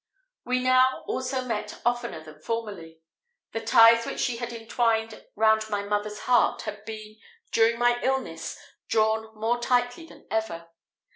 We now also met oftener than formerly. The ties which she had entwined round my mother's heart had been, during my illness, drawn more tightly than ever.